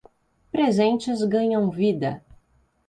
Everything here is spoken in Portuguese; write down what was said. Presentes ganham vida.